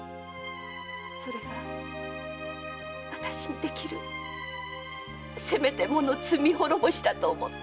それが私にできるせめてもの罪滅ぼしだと思ったのです。